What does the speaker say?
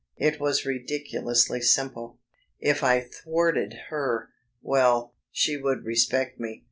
It was ridiculously simple. If I thwarted her, well, she would respect me.